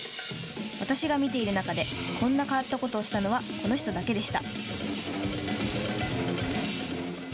私が見ている中でこんな変わったことをしたのはこの人だけでした。